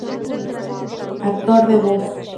Actor de voz